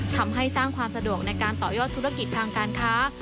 ทำให้สร้างความสะดวกในการต่อยอดธุรกิจทางการค้า